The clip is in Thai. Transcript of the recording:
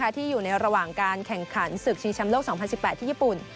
ที่อยู่ในระหว่างการแข่งขันศึกชิงแชมป์โลก๒๐๑๘ที่ญี่ปุ่น